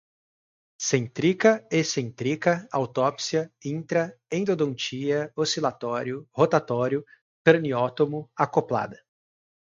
centrica, ecentrica, autopsia, intra, endodontia, oscilatório, rotatório, craniótomo, acoplada